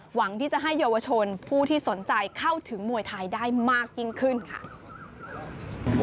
หวังที่จะให้เยาวชนผู้ที่สนใจเข้าถึงมวยไทยได้มากยิ่งขึ้นค่ะ